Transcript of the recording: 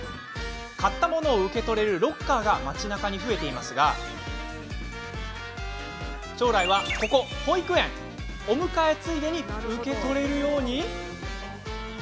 買ったものを受け取れるロッカーが街なかに増えていますが将来は、ここ保育園お迎えついでに受け取れるように！？